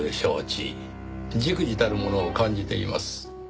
忸怩たるものを感じています。